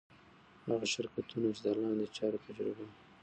هغه شرکتونه چي د لاندي چارو تجربه